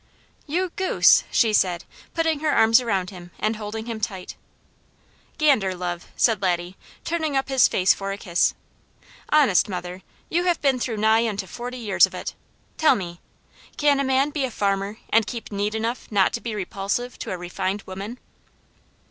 "You goose!" she said, putting her arms around him and holding him tight. "Gander love," said Laddie, turning up his face for a kiss. "Honest mother, you have been through nigh unto forty years of it, tell me, can a man be a farmer and keep neat enough not to be repulsive to a refined woman?"